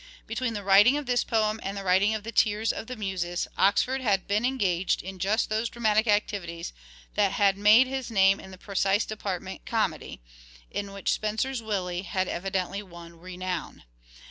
Between the writing of this poem and the writing of the " Tears of the Muses " Oxford had been engaged in just those dramatic activities and had made his name in the precise department, Comedy, in which Spenser's " Willie " had evidently won renown.